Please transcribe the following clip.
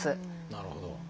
なるほど。